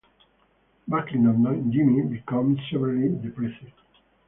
Back in London, Jimmy becomes severely depressed.